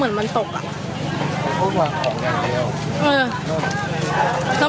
คุณครู